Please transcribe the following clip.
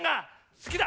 好きだ！